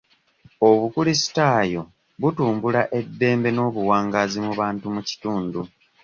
Obukulisitaayo butumbula eddembe n'obuwangazi mu bantu mu kitundu.